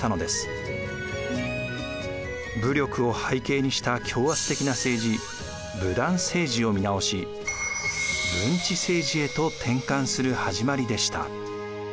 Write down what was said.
武力を背景にした強圧的な政治武断政治を見直し文治政治へと転換する始まりでした。